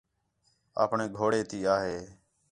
اپݨے گھوڑے تی آ ہے